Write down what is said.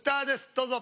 どうぞ。